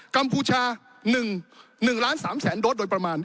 กัมพูชา๑ล้าน๓แสนโดสโดยประมาณ